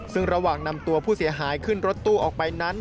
ซึ่งระหว่างนำตัวผู้เสียหายขึ้นรถตู้ออกไปนั้น